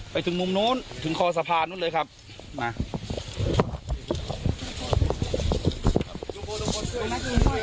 ไปถึงมุมนู้นถึงคอสะพานนู้นเลยครับมา